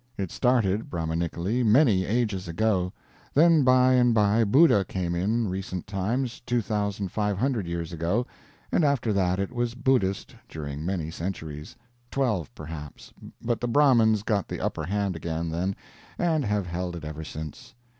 It started Brahminically, many ages ago; then by and by Buddha came in recent times 2,500 years ago, and after that it was Buddhist during many centuries twelve, perhaps but the Brahmins got the upper hand again, then, and have held it ever since.